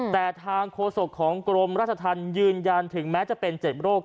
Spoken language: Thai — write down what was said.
แต่ทางโฆษกของกรมราชธรรมยืนยันถึงแม้จะเป็น๗โรค